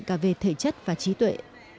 cả về thể chất và trí tuệ